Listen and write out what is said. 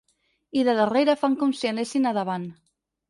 I de darrere fan com si anessin a davant.